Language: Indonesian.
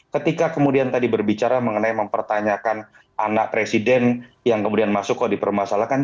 ketika kemudian tadi berbicara mengenai mempertanyakan anak presiden yang kemudian masuk kok dipermasalahkan